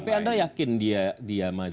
tapi anda yakin dia maju